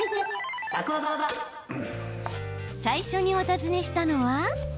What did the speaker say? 最初に、お訪ねしたのは。